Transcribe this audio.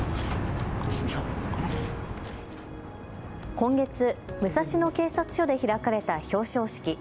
今月、武蔵野警察署で開かれた表彰式。